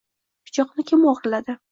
Pichoqni kim o`g`irladi